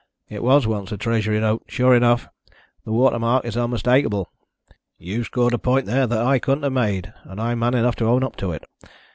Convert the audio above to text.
"It was once a Treasury note, sure enough the watermark is unmistakable. You've scored a point there that I couldn't have made, and I'm man enough to own up to it.